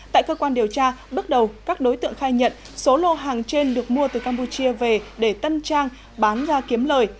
tại cơ quan điều tra bước đầu các đối tượng khai nhận số lô hàng trên được mua từ campuchia về để tân trang bán ra kiếm lời